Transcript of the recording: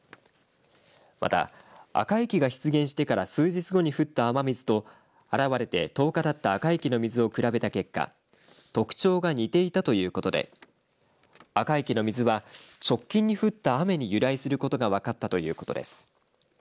また、赤池が出現してから数日後に降った雨水と現れて１０日たった赤池の水を比べた結果特徴が似ていたということで赤池の水は直近に降った雨に由来することが分かったということです。